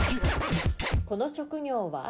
この職業は？